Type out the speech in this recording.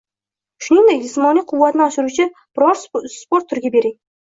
Shuningdek, jismoniy quvvatni oshiruvchi biror sport turiga bering.